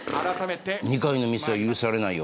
２回のミスは許されないよ。